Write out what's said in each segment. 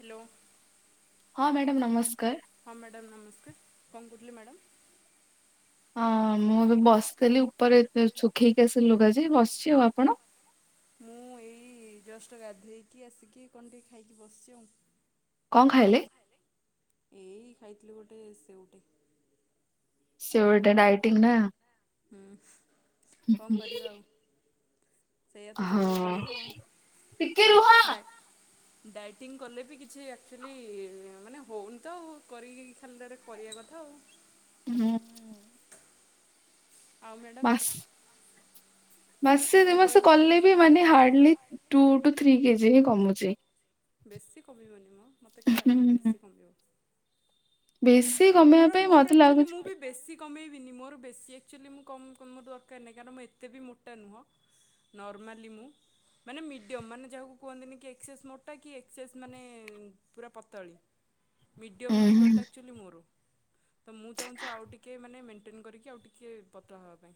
Hello. ହଁ madam ନମସ୍କାର। ହଁ ମ୍ୟାଡ଼ାମ ନମସ୍କାର କଣ କରଦଲି ମ୍ୟାଡ଼ମ୍ ହଁ ମୁଁ ଏବେ ବସିଥିଲି ଉପରେ ଏ ଶୁଖେଇକି ଆସିଲି ଲୁଗାଜି ବସିଛି ଆଉ ଆପଣ ମୁଁ ଏଇ ଜଷ୍ଟଟା ଗାଧେଇକି ଆସିକି କଣ ଟିକେ ଖାଇକି ବସିଛି ଆଉ କଣ ଖାଇଲେ ଖାଇଥିଲୁ ଗୋଟେ ସେଉଟେ ସେଟେ ନାଇ ନା ହ ହଁ ଟିକେ ରୁହ। ଡାଇଟିଙ୍ଗ କଲେ ବି କିଛି ଆକ୍ଚୁଆଲି ମାନେ ହେଉନି ତ ଆଉ କରିକି ଖାଲି ତାରେ କରିବା କଥା ଆଉ। ଆଉ ମ୍ୟାଡ଼ାମ୍। ମାସେ ଦୁ ମାସେ କଲେ ବି ମାନେ hardly two two three KG କମୁଛି। ବେଶି କବିବନି ମଁ। ମୋତେ କାହିଁ ଲାଗୁନି ବେଶୀ କମିବ। ବେଶୀ କମେଇବା ପାଇଁ ମତେ ଲାଗୁଛି- କମେଇବିନି ମୋର ବେଶୀ ଆକ୍ଚୁଆଲି ମୁଁ କ କର ଦରକାର ନାହିଁ କାରଣ ମୁଁ ଏତେ ବି ମୋଟା ନୁହଁ ନର୍ମାଲି ମୁଁ ମାନେ ମିଡ଼ିୟମ୍ ମାନେ ଯାହାକୁ କୁହନ୍ତିନି କି ଏକ୍ସେସ୍ ମୋଟା କି ଏକ୍ସେସ୍ ମାନେ ପୁରା ପତଳି- ମିଡିୟମ୍ ଫିଗର ଟା ଆଚ୍ୟୁଆଲୀ ମୋର। ତ ମୁଁ ଚାହୁଁଛି ଆଉ ଟିକେ ମାନେ ମେଣ୍ଟେନ କରିକି ଆଉ ଟିକେ ପତଳା ହେବା ପାଇଁ।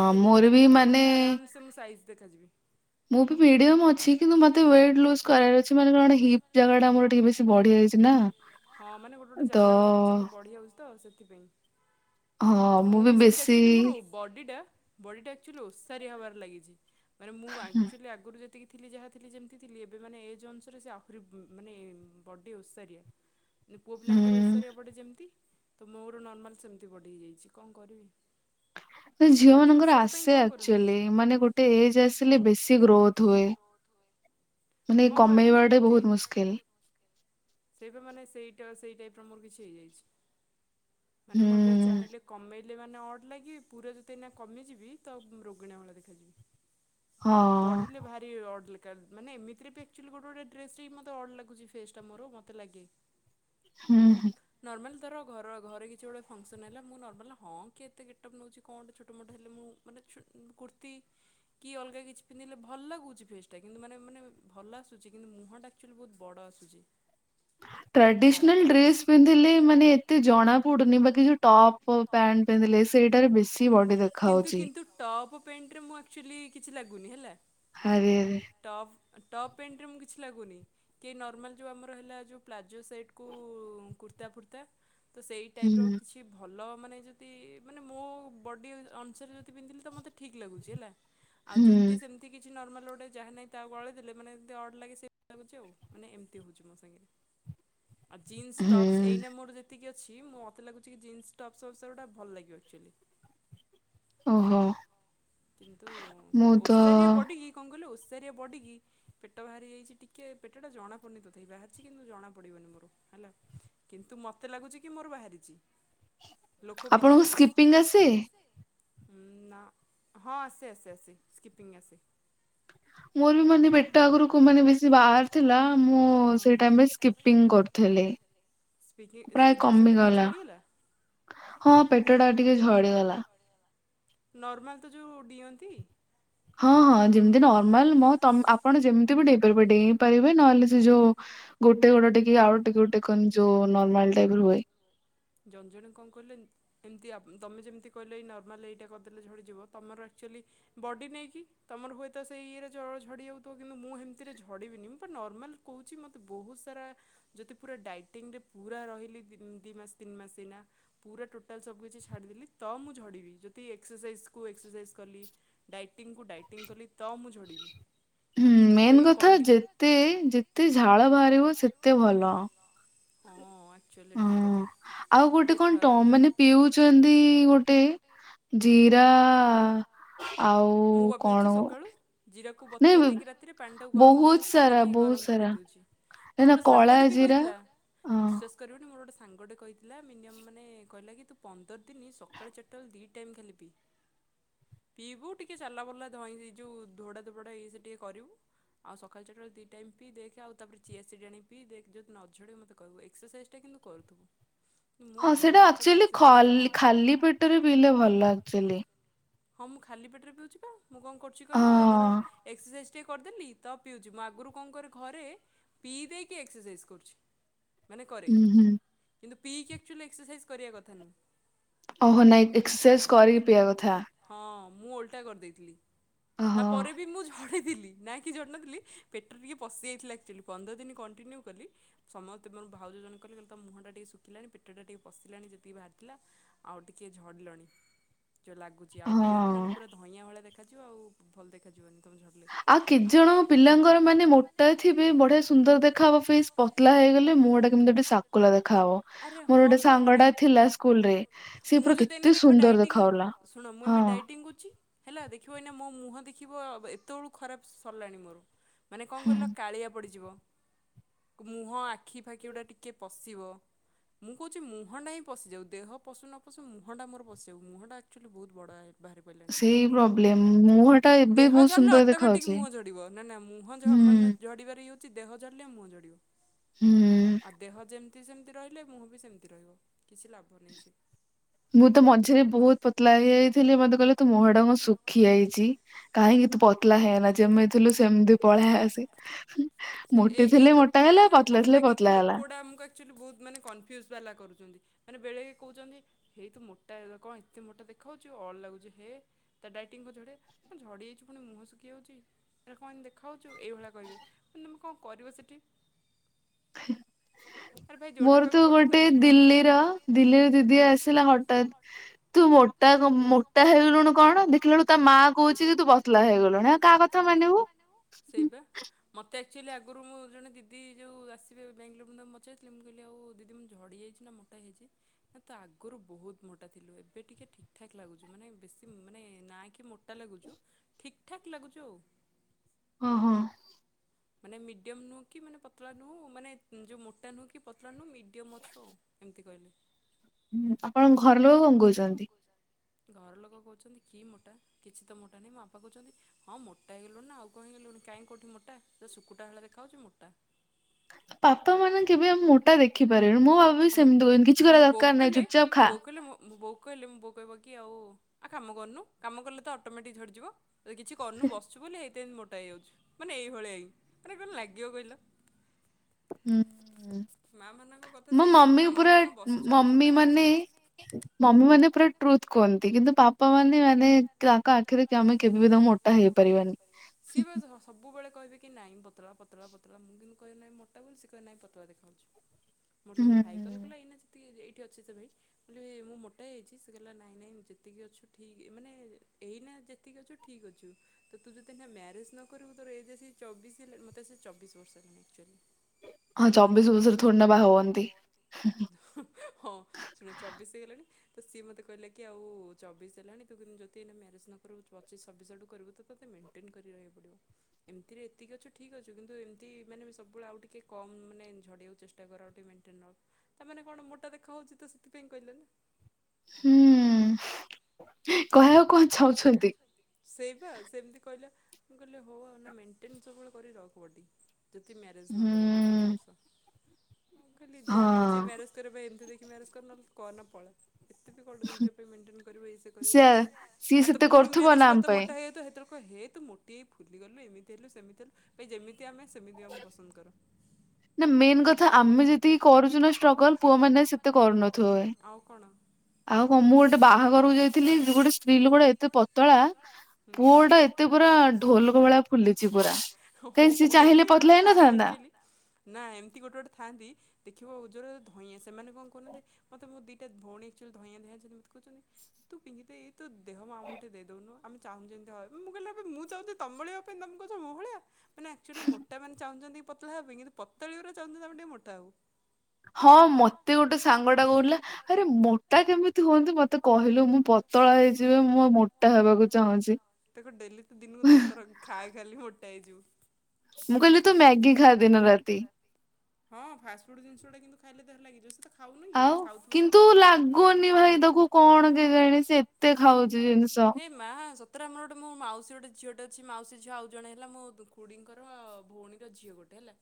ଦି ତିନି କେଜି କି ତ କମିଗଲେ ଆରାମସ ମୁଁ ସାଇଜ ହେଇ ଦେଖ ମୁଁ ବି ମିଡିୟମ ଅଛି କିନ୍ତୁ ମତେ ୱଟ ଲୁଜ କରାର ଅଛି ମାନେ କଣ ହିପ୍ ଜାଗା ଟାର- କିଛି ବଢିଆ ଯାଇଛି ନା- ହଁ ମାନେ ଗୋଟେ ଗୋଟେ ଜାଗା ଗୁଡ଼ିକ ଆଚୁଆଲି ବଢିଆଯାଉଛି ତ ସେଥିପାଇଁ। ତ ମୁଁ ବି ସେମତି ଆଚୁଲି ମୋର ବଡି ଟା- ବଡି ଟାଚୁଆ ଓସାରୀ ହବାରେ ଲାଗିଛି। ମାନେ ମୁଁ ଆକ୍ଚୁଆଲି ଆଗରୁ ଯଦି- ଏତିକି ଥିଲି ଯାହା ଥିଲି ଯେମିତି ଥିଲି ଏବେ ମାନେ ଏଜ୍ ଅନୁଶରେ ସେ ଆହୁରି ମାନେ ବଡ଼ି ଓସାରିଆ- ପୁଅ ପିଲାଙ୍କର ଓଷରଆ ପଟେ ଯେମିତି- ତ ମୋର ନର୍ମାଲ ସେମିତି ବଢି ହେଇଯାଇଛି କଣ କରିବି? ଝିଅ ମାନଙ୍କର ଆସେ ଆକ୍ଚୁଆଲି ମାନେ ଗୋଟେ ଏଜ ଆସେ- ହେଲେ ବେଶି ଗ୍ରୋଥ ହୁଏ। ହଁ ଭାଇ ମାନେ ଏତେ ସେଇପ ମାନେ ସେଇଟା ସେଇ- ଟାଇପ୍ର ମୋର କିଛି ହେଇଯାଇଛି ମାନେ ମୁଁ ଏବେ ଚାହିଁଲେ କମେଇ- ପିଲେ ମାନେ ଅଡ ଲାଗି ପୁରା ଯତେଇ କମିଯିବି ତ ରୋଗିଣ ମ ଦେଖାଯିବି। ଆଉ ବଢିଲେ ଭାରି ଅଡ- ମାନେ ଏମିତି- ଗୋଟେ ଗଟେ ଡେ ଟତେ ଅର୍ଡ ଲାଗୁଛି ଫେଷ୍ଟ ଆ ମର ମତେ ଲାଗେ- ହୁଁ ହୁଁ। ନର୍ମାଲ ତର ଘର ଘରେ କିଛି ଗୋଟେ ଫଙ୍କସନ୍ ହେଲା ମୁଁ ନର୍ମାଲ ହଁ କିଏ ଏତେ ଗେଟ୍ପ୍ ନେଉଛି କଣ ଗୋଟେ ଛୋଟମୋଟ ହେଲେ ମୁଁ ମାନେ କୁର୍ତ୍ତି କି ଅଲଗା କିଛି ପିନ୍ଧିଲେ ଭଲ ଲାଗୁଛି ଫେସ୍ଟା କିନ୍ତୁ ମାନେ ମାନେ- ଭଲ ଆସୁଛି କିନ୍ତୁ ମୁହଁଟା ଆକ୍ଚୁଆଲି ବହୁତ ବଡ଼ ଆସୁଛି। ଟ୍ରାଡିସନାଲ ଡ୍ରେସ୍ ପିନ୍ଧିଲେ ମାନେ ଏତେ ଜଣା କୁଡ଼ନି ବାକି ଯେଉ ଟାପ ପ୍ୟାଣ୍ଟ ପିନ୍ଧିଲେ ସେଇଟାରେ ବେଶୀ ବଡି ଦେଖା ହଉଛି ପ୍ୟାଣ୍ଟରେ ମୁଁ ଆକ୍ଚୁଆଲି କିଛି ଲାଗୁନି ହେଲା ଆରେ ଟପ୍ ଟପ୍ ପ୍ୟାଣ୍ଟରେ ମୁଁ କିଛି ଲାଗୁନି କି ଏ ନର୍ମାଲ ଯେଉଁ ଆମର ହେଲା ଯେଉଁ ପ୍ଲାଜୋ ସୋଇଟ୍କୁ କୁର୍ତ୍ତା ଫୁର୍ତ୍ତା ତ ସେଇ ଟାଇପ୍ର କିଛି ଭଲ ମାନେ ଯଦି ମାନେ ମୋ ବଡି ଅଂସରେ ଯଦି ପିନ୍ଧିଲି ତ ମତେ ହେ ଗୋଟେ ଯାହା ନେଇହି ତାକୁ ଗଳେଇ ଦେଲେ ମାନେ ଯି ଅର୍ଡ଼ ଲାଗେ ସେ ଲାଗୁଛି ଆଉ ମାନେ ଏମିତି ହେଉଛି ମୋ ସାଙ୍ଗରେ ଆଉ ଜିନ୍ସ ଟପସ ଏଇ ନ ମୋର ଯେତିକି ମୁ ମତେ ଲାଗୁଛି ଜ ଭଲ ଲାଗ ଓହୋ କିନ୍ତୁ ଓଷାରିଆ ପଡିକି କଣ କହଲେ ସୋରିଆ ବଡ଼ିକି ପେଟ ବାହାରି ଯାଇଛି ଟିକିଏ ପେଟଟା ଜଣାପଡ଼ନି ତଥ ବାହାରିଛି କିନ୍ତୁ ଜଣାପଡ଼ିବନି ମୋର ହେଲା କିନ୍ତୁ ମୋତେ ଲାଗୁଛି କି ମୋର ବାହାରିଛି ଆପଣଙ୍କୁ ସ୍କିପିଙ୍ଗ ଆସେ ହ ନା ହଁ ଆସ ଆସ ଆସ ସ୍କିପିଂ ଆସେ ମୋର ବି ମାନ ପେଟ ଆଗରୁକୁ ମାନେ ବେଶୀ ବାହାରି ଥିଲା। ମୁଁ ସେ ଟାଇ ସ୍କିପିଙ୍ଗ କରୁଥିଲି ପ୍ରାୟ କମିଗଲା ହଁ ପେଟ ଟା ଟିକେ ଝଡିଗଲା ନର୍ମଲ ତ ଯୋଉ ଡିଅନ୍ତି ହଁ ହଁ ଯେମିତି ନର୍ମାଲ ଆପଣ ଯେମିତି ବି ଡେଇାରିବେ ଡେଇ ପାରିବେ ନହେଲେ ସେ ଯୋଉ ଗୋଟେ ଗୋଟେ ଟ ଆଉ ଟେ ଗୋଟେ ଯୋଉ ନର୍ମାଲ ଟାଇପ ହୁଏ ଏମିତି ତମେ ଯେମିତି କହିଲେ ଏଇ ନର୍ମାଲ ଏଇଟା କରିଦେଲେ ଝଡ଼ିଯିବ ତୁମର ଆକ୍ଚୁଆଲି ବଡ଼ି ନେଇକି ତୁମର ହୁଏତ ସେଇ ଇଏରେ ଝଡ଼ିଯାଉଥିବ, କିନ୍ତୁ ମୁଁ ସେମିତିରେ ଝଡ଼ିବିନି ମୁଁ ପ ନର୍ମାଲ୍ କହୁଛି ମୋତେ ବହୁତ ସାରା ଯଦି ପୁରା ଡାଇଟିଂରେ ପୁରା ରହିଲି ଦୁଇ ମାସ ତିନି ମାସ ସିନା ପୁରା ଟୋଟାଲ୍ ସବୁ କିଛି ଛାଡ଼ିଦେଲି ତ ମୁଁ ଝଡ଼ିବି ଯଦି ଏକ୍ସରସାଇଜ୍ କୁ ଏକ୍ସରସାଇଜ୍ କଲି ଡାଇଟିଙ୍ଗକୁ ଡାଇଟିଙ୍ଗ କଲି ତ ମୁଁ ଝଡ଼ିବି ହୁଁ ମେନ୍ କଥା ଯେତେ ଯେତେ ଝାଳ ବାହାରିବ ସେ କେତେ ଭଲ ହଁ ଆଉ ଗୋଟେ କଣ ତ ମାନେ ପିଉଛନ୍ତି ଗୋଟେ ଜିରା ଆଉ ମୁଁ ଅଭିିିବୁଚି ସ ସକାଳୁ ବତୁରେଇ ଦେଇକି ରାତିରେ ପାଣିଟା କୁ ଛାଣିକି ଗରମ୍ କରିକି ମତେ ଗୋଟେ ସାଙ୍ଗ ଟେ ବି କହିଥିଲା ବିଶ୍ୱାସ କରିବେନି ସାଙ୍ଗଟେ କହିଥିଲା ମିନିମମ୍ ମାନେ କହିଲା କି ତୁ ପନ୍ଦର ଦିନ ସକାଳ ଚାରିଟା ବେଳେ ଦୁଇ ଟାଇମ୍ ଖାଲି ପିଇ ପିଇବୁ ଟିକେ ଚାଲା ବୁଲା ଧଇଁ ସେଇ ଯେଉଁ ଧୋଡ଼ା ଧୋଡ଼ାଇ ସେକେ କରିବୁ ଆଉ ସକାୁ ଚଟ ବଳେ ଦୁଇ ଟାଇମ୍ ପିଇ ଦେଖ ଆଉ ତାପରେ ଚିଆ ସିଟ ଆଣି ପିଇ ଦେଖେ ଯଉଦି ନ ଝଡ଼େ ମୋତେ କରିବୁ ଏକ୍ସରସାଇଜଟା କିନ୍ତୁ କରୁଥିବୁ। ହଁ ସେଇଟା ଆଚୁଆଲି ଖାଲି ପେଟରେ ବି ହେଲେ ଭଲ ଆକଚୁଆଲି। ହଁ ମୁଁ ଖାଲି ପେଟରେ ପିଉଛିବା। ମୁଁ କଣ କରୁଛି କହିଲ ଧର ଏକ୍ସରସାଇଜ୍ ପିଉଛି ମଗରୁ କଣ ଘରେ ପିଇ ଦେଇକି ଏକ୍ସର୍ସାଇଯ ମାନେ କରେ କିନ୍ତୁ ପିକ ଆକ୍ଚୁଆଲ ଏକ୍ସରସାଇଜ୍ କରିବା କଥା ନୁଁହେଁ। ଓହୋ ନାଇଁ ଏକ୍ସରସାଇଜ କରିକି ପିଇବା କଥା। ମୁ ଓ ହ କରିଦେଇଥିଲି। ତାପରେ ବି ମୁଁ ଝ ଥିଲ ନା କି ଝ ନଥିଲି ପେଟ ଟିକିଏ ପଶିଯାଇଥିଲା ଆକ୍ଚୁଆଲି। ପନ୍ଦର ଦିନ କଣ୍ଟିନ୍ୟୁ କଲି ସମସ୍ତେ ମୋର ଭାଉଜୋ ଜଣେ କଲେେ କହିଲେ ତା ମୁହଁଟା ଟିକେ ଶୁଖିଲାଣି ପେଟା ଟିକେ ପଶିଲାଣି ଯେତିକି ବାହାରିଲା ଆଉ ଟିକିଏ ଝଡ଼ିଲଣି। ଯେ ଲାଗୁଛି ଆଉ ପିଅନି ଭଆ ଦେଖାଯିବ ଆଉ ଭଲ ଦେଖାଯିବନି। ଆଉ କେଜଣ ପିଲାଙ୍କର ମାନେ ମୋଟା ଥିବେ ବଢିଆ ସୁନ୍ଦର ଦେଖାହବ ଫେସ ପତଲା ହେଇଗଲେ ମୁଁହଁ ଟା ଗୋଟା କେମିତି ଗୋଟେ ସାକୁଲା ଦେଖାହବ ମୋର ଗୋଟେ ସାଙ୍ଗ ଟା ଥିଲା ସ୍କୁଲ ରେ ସେଏ ପୁରା କେତେ ସୁନ୍ଦର ଦେଖା ହଉଥିଲା ହଁ। ହେଲା ଦେଖିବ ଏଇନା ମୋ ମୁହଁ ଦେଖିବ ଏତେ ବଳୁ ଖରାପ ସରିଲାଣି ମୋର ମାନେ କଣ କିଲ କାଳିଆ ପଡିଯିବ। ମୁହଁ ଆଖି ଫାଖି ଗୁଟା ଟିକେ ପଶିବ ମୁଁ କହୁଛି ମୁହଁ ଟା ହିଁ ପଶିଯାଉ ଦେହ ପଶୁ ନ ପଶୁ ମୁହଁ ଟା ମୋର ପଶିଯାଉ ମୁହଁ ଟା ଆକ୍ଚୁଆଲି ବହୁତ ବଡ ବାହାରି। ସେଇ ପ୍ରୋବ୍ଲେମ ମୁହ ଟା ଏବେ ବହୁତ ସୁନ୍ଦର ଦେଖ ହାଉଛି ହୁଁ। କିଛି ଦେହ ଜାଡ଼ିଲେ ମୁଁ ଜଡ଼ିବ। ଆ ଦେହ ଯେମତି ସେମିତି ରହିଲେ ମୁହଁ ବି ସେମିତି ରହିବ। ମୁଁ ତ ମଝିରେ ବହୁତ ପତଳା ହେଇଯାଇଥିଲି ମତେ କହିଲେ ତୁ ମହଡଙ୍ଗ ଶଖ ଦଖିଆଇଛି କାହିଁକି ତୁ ପତଳା ହେଏନା ଯେମିତି ଥିଲୁ ସେମିତି ପଳ ଆସି ମୋଟି ଥିଲେ ମୋଟା ହେଲା ପତଲା ଥିଲେ ପତଲା ହେଲା। ମାନେ ବେଳେ କହୁଛନ୍ତି ହେଇ ତୁ ମୋଟା କଣ ଏତେ ମୋଟା ଦେଖାଉଛି ଅଡ ଲାଗୁଛି ହେ ତା ଡାଇଟିଂଙ୍ଗ କ ଝଡ଼େ ଝଡ଼ିଯାଇଛିୁ ପୁଣି ମୁହଁ ଶୁଖି ଯାଉଛି କଣ ଦେଖାହେଉଛୁ ଏଇଭଳିଆ କହିବେ ତୁମେ କଣ କରିବ ସେଇଠି। ମୋର ତୁ ଗୋଟେ ଦିଲ୍ଲୀର ଦିଲ୍ଲୀର ଦିଦି ଆସିଲା ହଠାତ ତୁ ମୋଟା ମୋଟା ହେଇଗଲୁଣି କଣ ଦେଖିଲା ବଳୁ ତା ମା କହୁଛି କି ତୁ ପତଲା ହେଇଗଲୁଣି ଆ କାହା କଥା ମାନିବୁ। ଆକଚୁଆଲି ଆରୁ ମୁଁ ଜଣେ ଦିଦି ଯୋଉ ଆସିବେ ବଙ୍ଗଲୋରୁ ମୋତେ ପଚାରଥିଲି ମୁ କହିଲି ଆଉ ଦିଦି ମୁଁ ଝଡ଼ିଯାଇଛି ନା ମୋଟା ହେଇଛି ନା ତ ଆଗରୁ ବହୁତ ମୋଟା ଥିଲୁ ଏବେ ଟିକିେ ଠିକଠାକ୍କ୍ ଲାଗୁଛିୁ ମାନେ ବେଶୀ ମାନେ ନା କି ମୋଟା ଲାଗୁଛୁ ଠିକ୍ ଠାକ୍ ଲାଗୁଛୁ ଆଉ। ଓ ହୋ। ମାନେ ମିଡ଼ିୟମ୍ ନୁହେଁ କି ମାନେ ପତଳା ନୁହେଁ ମାନେ ଯେଉଁ ମୋଟା ନୁହେଁ କି ପତଳା ନୁହେଁ ମିଡ଼ିୟମ୍ ଅଛ ଏମିତି କହିଲି ହୁଁ ଆପଣ ଘର ଲୋକ କଣ କହୁଛନ୍ତି ଘର ଲୋକ କହୁଛନ୍ତି କି ମୋଟା କିଛି ତ ମୋଟା ନାହିଁ ମା ବାପା କହୁଛନ୍ତି ହଁ ମୋଟା ହେଇଗଲୁଣି ନା ଆଉ କଣ ହେଇଗଲୁଣି କାହିଁ କେଉଁଠି ମୋଟା ସେ ଶୁକୁଟା ଭଳି ଦେଖାଉଛି ମୋଟା ବାପା ମାନେ କେବେ ଆଉ ମୋଟା ଦେଖିପାରିବନି ମୁଁ ଭାବାବ ବିି ସେମିତି କଛନ୍ତି କିଛି କରିବା ଦରକାର ନାହିଁ ଚୁପଚାପ୍ ଖା କହିଲେ ମୁଁ ବୋଉ କହିବ କି ଆଉ ଆଉ କାମ କରୁନୁ କାମ କଲେ ତ ଅଟୋମେଟିକ୍ ଝଡିଯିବ କିଛି କରୁନୁ ବସିଛୁ ବୋଲି ମୋଟା ହୋଇଯାଉଛୁ ମାନେ ଏଇଭଳି ଏଇ ମାନେ କି ଲାଗିବ କହିଲ। ହୁଁ ମୋ ମମି ପୁରା ମମି ମାନେ ମମି ମାନେ ପୁରା ଟ୍ରୁଥ କୁହନ୍ତି କିନ୍ତୁ ବାପା ମାନେ ମାନେ ତାଙ୍କ ଆଖିରେ କି ଆମେ କେବେ ବି ତମ ମୋଟା ହେଇପାରିବନି। କି ନାହିଁ ପତଳା ପତଳା ପତଳା ମୁଁ କିନ୍ତୁ କହେନାହିଁ ମୋଟା ବୋଲି ସେ କହେନାହିଁ ପତଳା ଦେଖାଯାଉ ମୋର ଜଣେ ଭାଇ କଲେ କଲେ ଏଇନା ଯେତିକି ଏଠି ଅଛି ସେ ଭାଇ ବୋଲେ ମୁଁ ମୋଟା ହୋଇଛି ସେ କହିଲା ନାଇଁ ନାଇଁ ଯେତିକି ଅଛୁ ଠିକ୍ ମାନେ ଏଇନା ଯେତିକି ଅଛୁ ଠିକ୍ ଅଛୁ ତୁ ଯଦି ନା ମ୍ୟାରେଜ୍ ନ କରିବୁ ତୋର ଏଜ୍ ଆସି ଚବିଶ ହେଲାଣି ମୋତେ ସେ ଚବିଶ ବର୍ଷ ହେଲାଣି ହଁ ଶୁଣ ଚବିଶ ହେଇଗଲାଣି ତ ସିଏ ମୋତେ କହିଲା କି ଆଉ ଚବିଶ ହେଲାଣି ତୁ ଯଦି ଏଇନ ମ୍ୟାରେଜ୍ ନ କରିବୁ ପଚିଶ ଛବିଶ ଆଡ଼ୁ କରିବୁ ତୋତେ ମେଣ୍ଟେନ କରିବା ରହିବାକୁ ପଡ଼ିବ ଏମିତିରେ ଏତିକି ଅଛୁ ଠିକ୍ ଅଛୁ କିନ୍ତୁ ଏମିତି ମାନେ ସବୁବେଳେ ଆଉ ଟିକେ କମ୍ ମାନେ ଝଡି ବାକୁ ଚେଷ୍ଟା କର ଟ ମେଣ୍ଟେନ ରହୁ ତା ମାନେ କଣ ମୋଟା ଦେଖାହଉଛି ତ ସେଥିପାଇଁ କହିଲେ ନା ହୁଁ କହିବାକୁ କଣ ଚାହୁଛନ୍ତି। ସେଇ ବା ସେମତି କହିଲା ମୁଁ କହିଲି ହଉ ଆମେ ମେଣ୍ଟେନ ସବୁବେଳେ କରି ରଖିବୁ ଯଦି ମ୍ୟରଜ ନ କରିବ କି ତିନି ବ ମୁଁ କହିଲି ଯାହା ମର୍ଜି ମ୍ୟାରେଜ କରିବା ପାଇଁ ଏମିତି ଦେଖି କି ମ୍ୟାରେଜ କରନା କରନା ପଳା ଏତେ ବି କଣ ଟା ଯେ ନିଜ ପାଇଁ ମେଣ୍ଟେନ କରିବ ଏଇସ କରିବ ସିଏ ସେତେ କରୁଥିବ ନା ଆମ ପାଇଁ ହେ ତୁ ମୋଟି ହେଇ ଫୁଲିଗଲୁ ଏମିତି ହେଲୁ ସେମିତି ହେଲୁ ଯେମିତି ଏ ଆମେ ସେମିତିି ଆମେ ପସନ୍ଦ କରୁ ନା ମେନ କଥା ଆମେ ଯେତିକି କରୁଛୁ ନା ଷ୍ଟ୍ରଗଲ ପୁଅ ମାନେ ସେତେ କରୁନଥିବ ହେ ଆଉ କଣ ମୁଁ ଗୋଟେ ବାହାଘରକୁ ଯାଇଥିଲି ଗୋଟେ ସ୍ତ୍ରୀ ଲୋକଟା ଏତେ ପତଳା ପୁଅ ଗୋଟେ ଏତେ ପୁରା ଢୋଲକ ଭଳିଆ ଫୁଲିଛି ପୁରା କାହିଁ ସେ ଚାହିଁଲେ ପତଲା ହେଇନଥାନ୍ତା। ଦେଖିବ ଓର ଧଇଁ ସେମାନେ କଣ କରନ୍ତି ମତେ ମୋ ଦିଟା ଭଉଣୀଚୁଆ ଧଇଁ ଧଇଁ ମତେ କହୁଛନ୍ତି ତୁ ପିନ୍ଧେ ତୁ ଦେହ ଆମ ଠି ଦେଇଦଉନୁ ଆମ ଚାହୁଁଛନ୍ତି ଏମିତି ହେବାପାଇଁ ମୁଁ କହିଲି ମୁଁ ଚାହୁଛି ତମ ଭଳିଆ ହେବା ପାଇଁ ତମେ କହୁଛ ମ ଭଳିଆ ମାନେ ଆକ୍ଚୁଆଲି ମୋଟା ମାନେ ଚାହୁଛନ୍ତି। ପତଳା ହେବି କିନ୍ତୁ ପତଲି ରୁ ଚାଲତେ ତା ପୁଣି ମୋଟାଉ ହଁ ମତେ ଗୋଟେ ସାଙ୍ଗ ଟା କହୁଥିଲା ଆରେ ମୋଟା କେମିତି? ହୁଅନ୍ତୁ ମତେ କହିଲୁ ମୁଁ ପତ ପତଳା ହେଇଯିବେ ମୁଁ ମୋଟା ହେବାକୁ ଚାହୁଁଛି। ହେଇଯିବୁ ହଁ ଫାଷ୍ଟଫୁଡ ଜିଣିଷ ଟା କିନ୍ତୁ ଖାଇଲେ ଦେହ ଲାଗିଯାଉଛି ତ। ଆଉ କିନ୍ତୁ ଲାଗୁନି ଭାଇ ତାକୁ କଣ କେ ଜାଣି ସେ ଏତେ ଖାଉଛି ଜିନିଷ। ନା ସତରେ ଆମର ଗୋଟେ ମୋ ମାଉସୀ ଗୋଟେ ଝିଅଟେ ଅଛି ମାଉସୀ ଝିଅ ଆଉ ଜଣେ ହେଲା ମୋ ଖୁଡିଙ୍କର ଆଉ ଭଉଣୀର ଝିଅ ଗୋଟେ ହେଲା।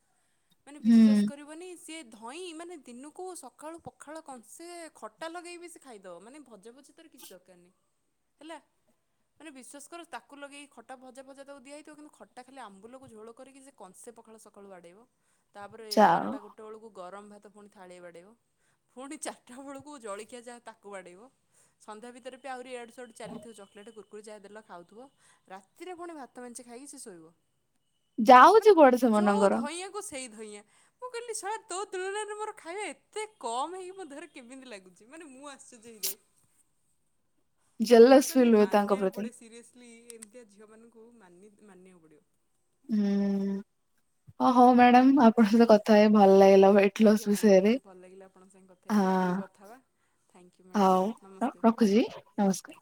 ମାନେ ବିଶ୍ଵାସ କରିବନି ସିଏ ଧଇଁ ମାନେ ଦିନକୁ ସକାଳୁ ପଖାଳ କଂସେ ଖଟା ଲଗେଇ ବିି ସେ ଖାଇଦେବ ମାନେ ଭଜା ତରକାରୀ ତାର କିଛି ଦରକାର ନାହିଁ। ହେଲା ମାନେ ବିଶ୍ଵାସ କର ତାକୁ ଲଗେଇ ଖଟା ଭଜା ଫଜା ତାକୁ ଦିଆ ହେଇଥିବ କିନ୍ତୁ ଖଟା ଖାଲି ଆମ୍ବୁଲକୁ ଝୋଳ କରିକି ସେ କଂସେ ପଖାଳ ସକାଳୁ ବାଡେଇବ। ତାପରେ ବାରଟା ଗୋଟେ ବେଳକୁ ଗରମ ଭାତ ପୁଣି ଥାଳିଏ ବାଡ଼େଇବ ପୁଣି ଚାରିଟା ବେଳକୁ ଜଳଖିଆ ଯାହା ତାକୁ ବାଡ଼େଇବ ସନ୍ଧ୍ୟା ଭିତରେ [unintelligible] ସେଠୁ ଚାଲିଥିବ ଚକଲେଟ କୁରକ ଉପରୁ ଯାହା ଦେଲା ଖାଉଥିବ ରାତିରେ ପୁଣି ଭାତ ମେଞ୍ଚେ ଖାଇକି ସେ ଶୋଇବ। ଯାଉଛି କୁଆଡେ ସେମାନଙ୍କର। ସେଇ ଧଇଁ ମୁଁ କହିଲି ଶଳା ତୋ ତୁଳନାରେ ମୋର ଖାଇବା ଏତେ କମ ହେଇକି ମୋ ଦେହରେ କେମିତି ଲାଗୁଛି ମାନେ ମୁଁ ଆଚାର୍ଯ୍ୟ ହୋଇଯାଏ। ଜେଲସ୍ ଫିଲ ହୁଏ ତାଙ୍କ ପ୍ରତି। ଏମିତିଆ ଝିଅମାନଙ୍କୁ ମାନିବାକୁ ପଡ଼ିବ। ହୁଁ। ହଁ ହଉ ମ୍ୟାଡମ ଆପଣଙ୍କ ସହିତ କଥା ହଇ ଭଲ ଲାଗିଲା ୱେଟ ଲସ୍ ବିଷୟରେ ହଁ ହଉ ରଖୁଛି ନମସ୍କାର।